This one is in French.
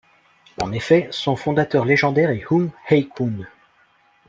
En effet, son fondateur légendaire est Hung Hei-Kwun.